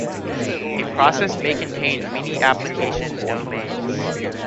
A process may contain many application domains.